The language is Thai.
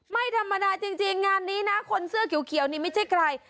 ไม่ธรรมดาจริงงานนี้นะคนเสื้อเขียวนี่ไม่ใช่ใคร